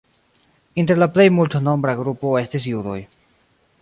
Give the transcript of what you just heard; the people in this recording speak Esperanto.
Inter la plej multnombra grupo estis judoj.